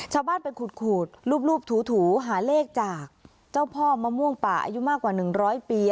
ชาวบ้านไปขูดรูปถูหาเลขจากเจ้าพ่อมะม่วงป่าอายุมากกว่า๑๐๐ปี